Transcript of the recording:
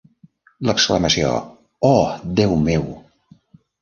L'exclamació "Oh, Déu meu!".